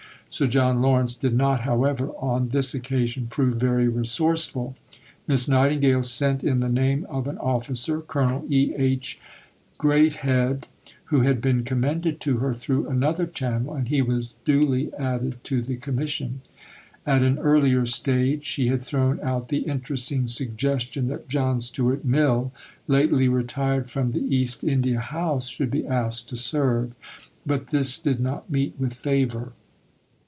Sir John Lawrence did not, however, on this occasion prove very resourceful; Miss Nightingale sent in the name of an officer, Colonel E. H. Greathed, who had been commended to her through another channel, and he was duly added to the Commission. At an earlier stage she had thrown out the interesting suggestion that John Stuart Mill, lately retired from the East India House, should be asked to serve, but this did not meet with favour.